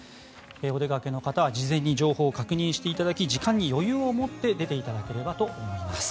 お出かけの方は事前に情報を確認していただき時間に余裕を持って出ていただければと思います。